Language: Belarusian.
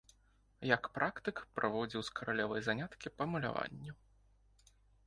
Як практык праводзіў з каралевай заняткі па маляванню.